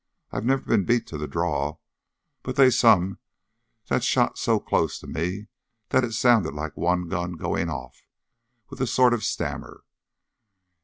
I've never been beat to the draw, but they's some that's shot so close to me that it sounded like one gun going off with a sort of a stammer.